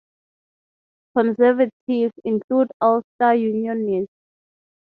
Conservatives include Ulster Unionists.